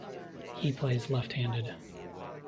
He plays left-handed.